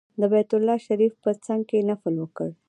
د بیت الله شریف په څنګ کې نفل وکړ.